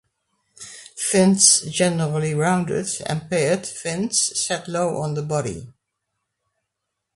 Fins generally rounded and paired fins set low on the body.